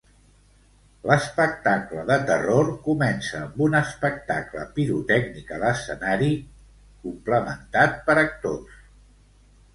L'espectacle de terror comença amb un espectacle pirotècnic a l'escenari complementat per actors.